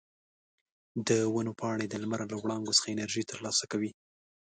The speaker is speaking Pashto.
د ونو پاڼې د لمر له وړانګو څخه انرژي ترلاسه کوي.